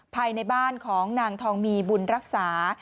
ภายในบ้านของนางทองมีบุญรักษา